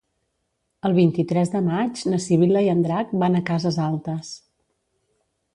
El vint-i-tres de maig na Sibil·la i en Drac van a Cases Altes.